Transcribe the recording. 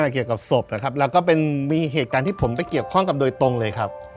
เกี่ยวกับศพนะครับแล้วก็เป็นมีเหตุการณ์ที่ผมไปเกี่ยวข้องกับโดยตรงเลยครับ